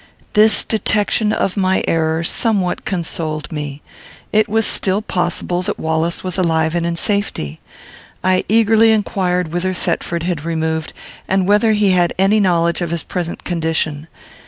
This detection of my error somewhat consoled me. It was still possible that Wallace was alive and in safety. I eagerly inquired whither Thetford had removed, and whether he had any knowledge of his present condition.